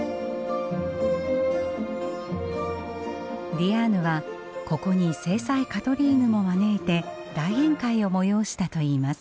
ディアーヌはここに正妻カトリーヌも招いて大宴会を催したといいます。